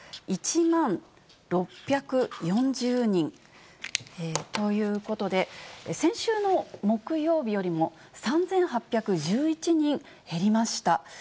１万６４０人ということで、先週の木曜日よりも３８１１人減りました。